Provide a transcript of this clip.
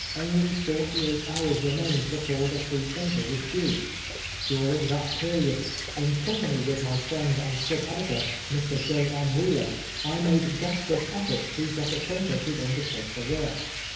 Only forty eight hours remained before the Freethinker was due. During that period, in company with my friend and sub editor, Mr. J. M. Wheeler, I made desperate «£Eorts to get a printer to undertake the work.